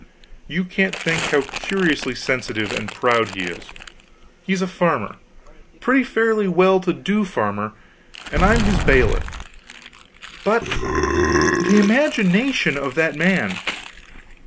You can't think how curiously sensitive and proud he is. He's a farmer pretty fairly well to do farmer and I'm his bailiff; but the imagination of that man!